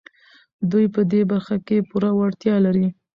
دوی په دې برخه کې پوره وړتيا لري.